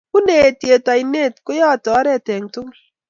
Bunei etiet oinet, koyotei oret eng tugul